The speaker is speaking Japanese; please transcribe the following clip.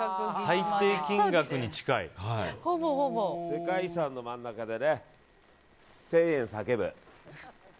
世界遺産の真ん中でね１０００円叫ぶ。